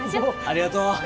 ありがとう。